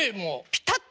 ピタッと。